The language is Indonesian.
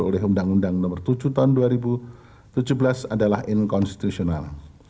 oleh undang undang nomor tujuh tahun dua ribu tujuh belas adalah inkonstitusional